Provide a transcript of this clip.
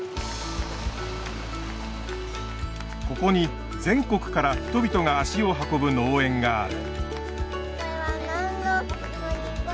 ここに全国から人々が足を運ぶ農園がある。